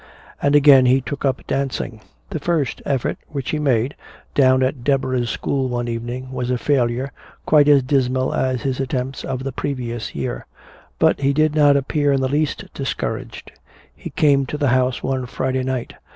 And again he took up dancing. The first effort which he made, down at Deborah's school one evening, was a failure quite as dismal as his attempts of the previous year. But he did not appear in the least discouraged. He came to the house one Friday night.